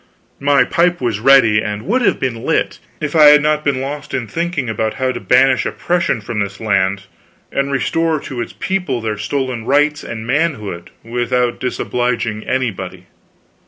My pipe was ready and would have been lit, if I had not been lost in thinking about how to banish oppression from this land and restore to all its people their stolen rights and manhood without disobliging anybody.